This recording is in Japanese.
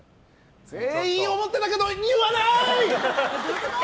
全員思ってたけど言わない！